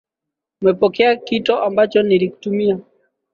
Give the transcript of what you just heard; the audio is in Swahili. Umepokea kito ambacho nilikutumia?